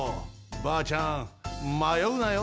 ばあちゃんまようなよ。